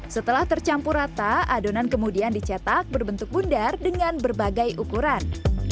setelah tercampur rata adonan kemudian dicetak berbentuk bundar dengan berbagai ukuran